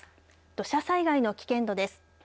土砂災害の危険度です。